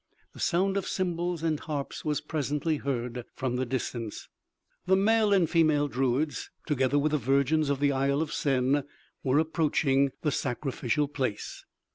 The sound of cymbals and harps was presently heard from the distance. The male and female druids, together with the virgins of the Isle of Sen were approaching the sacrificial place.